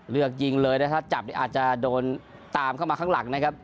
เลือกยิงเลยถ้าจับนี่อาจจะโดนตามเข้ามาข้างหลังนะครับ